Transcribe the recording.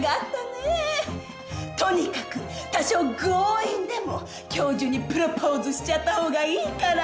「とにかく多少強引でも今日中にプロポーズしちゃったほうがいいから」